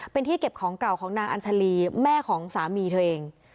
เป็นที่เก็บของเก่าของนางอัญชาลีแม่ของสามีเธอเอง